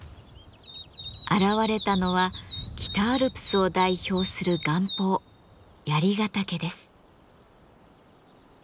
現れたのは北アルプスを代表する岩峰槍ヶ岳です。